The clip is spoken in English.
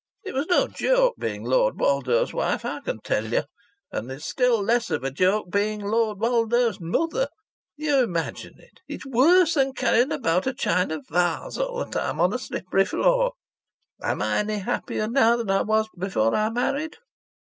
It was no joke being Lord Woldo's wife, I can tell you, and it's still less of a joke being Lord Woldo's mother! You imagine it. It's worse than carrying about a china vase all the time on a slippery floor! Am I any happier now than I was before I married?